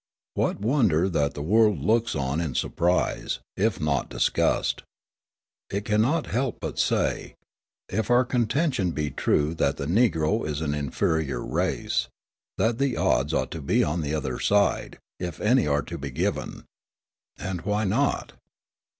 What wonder that the world looks on in surprise, if not disgust. It cannot help but say, if our contention be true that the Negro is an inferior race, that the odds ought to be on the other side, if any are to be given. And why not?